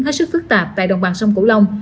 hết sức phức tạp tại đồng bằng sông cửu long